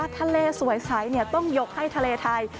ทะเลสวยใสต้องยกให้ทะเลไทย